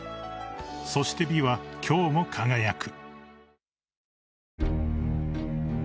［そして美は今日も輝く］